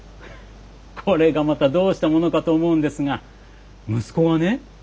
これがまたどうしたものかと思うんですが息子がね